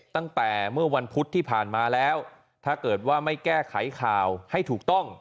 ตั้งแต่เมื่อวันพุธที่ผ่านมาแล้วถ้าเกิดว่าไม่แก้ไขข่าวให้ถูกต้อง